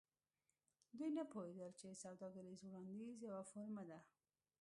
دوی نه پوهیدل چې سوداګریز وړاندیز یوه فورمه ده